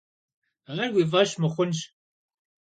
Ar vui f'eş mıxhunş.